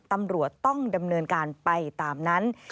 ตำรวจต้องดำเนินการไปตามนั้น